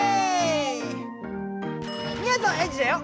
みやぞんエンジだよ。